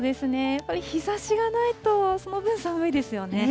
やっぱり日ざしがないと、その分寒いですよね。